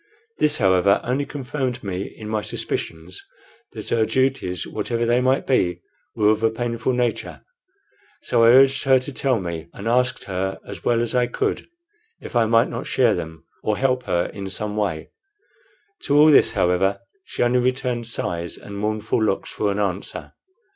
This, however, only confirmed me in my suspicions that her duties, whatever they might be, were of a painful nature; so I urged her to tell me, and asked her as well as I could if I might not share them or help her in some way. To all this, however, she only returned sighs and mournful looks for an answer.